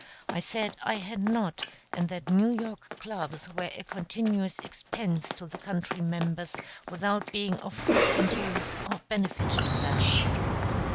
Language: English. I said I had not, and that New York clubs were a continuous expense to the country members without being of frequent use or benefit to them.